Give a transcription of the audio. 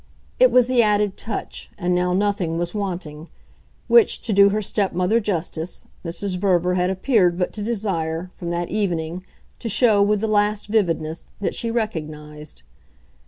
It was the added touch, and now nothing was wanting which, to do her stepmother justice, Mrs. Verver had appeared but to desire, from that evening, to show, with the last vividness, that she recognised.